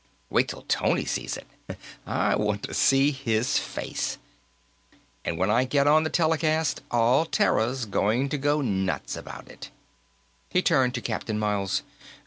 Wait till Tony sees it; I want to see his face! And when I get this on telecast, all Terra's going to go nuts about it!" He turned to Captain Miles.